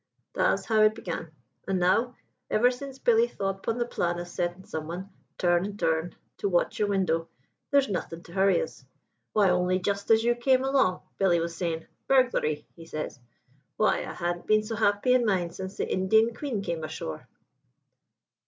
Tha's how it began. An' now, ever since Billy thought 'pon the plan of settin' someone, turn an' turn, to watch your window, there's nothin' to hurry us. Why, only just as you came along, Billy was saying, 'Burglary!' he says, 'why, I han't been so happy in mind since the Indian Queen came ashore!''